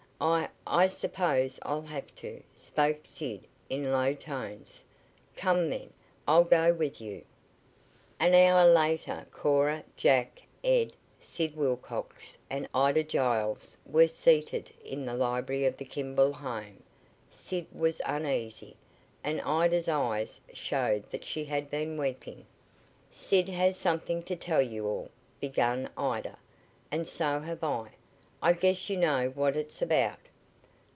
"I I suppose I'll have to," spoke Sid in low tones. "Come, then. I'll go with you." An hour later Cora, Jack, Ed, Sid Wilcox and Ida Gales were seated in the library of the Kimball home. Sid was uneasy, and Ida's eyes showed that she had been weeping. "Sid has something to tell you all," began Ida, "and so have I. I guess you know what it's about."